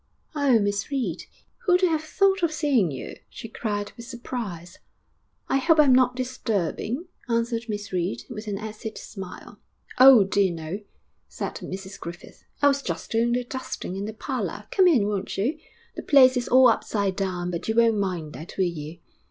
'Oh, Miss Reed! Who'd have thought of seeing you?' she cried with surprise. 'I hope I'm not disturbing,' answered Miss Reed, with an acid smile. 'Oh, dear no!' said Mrs Griffith. 'I was just doing the dusting in the parlour. Come in, won't you? The place is all upside down, but you won't mind that, will you?'